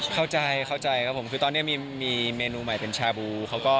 เข้าใจครับผมคือตอนนี้มีเมนูใหม่เป็นชาบู